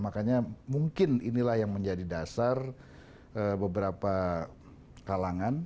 makanya mungkin inilah yang menjadi dasar beberapa kalangan